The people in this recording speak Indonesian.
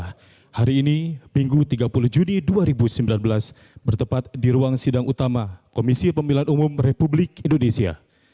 hari ini minggu tiga puluh juni dua ribu sembilan belas bertepat di ruang sidang utama komisi pemilihan umum republik indonesia